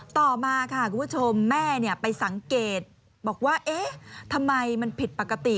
ต่อมาค่ะคุณผู้ชมแม่ไปสังเกตบอกว่าเอ๊ะทำไมมันผิดปกติ